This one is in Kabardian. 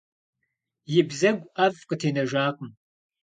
И бзэгу ӀэфӀ къытенэжакъым.